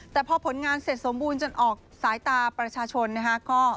แต่พอผลงานเสร็จสมบูรณ์จนออกสายตาประชาชนนะฮะ